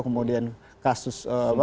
kemudian kasus apa